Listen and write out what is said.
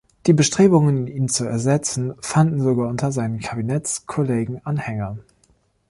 Die Bestrebungen, ihn zu ersetzen, fanden sogar unter seinen Kabinettskollegen Anhänger.